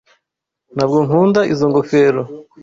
Ntabwo nkunda izoi ngofero.